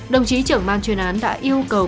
đồng chí trưởng ban chuyên án đã yêu cầu